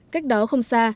cách đó không xa